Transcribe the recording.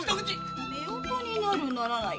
「夫婦になるならない」